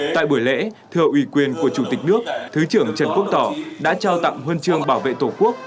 tại buổi lễ thưa ủy quyền của chủ tịch nước thứ trưởng trần quốc tỏ đã trao tặng huân chương bảo vệ tổ quốc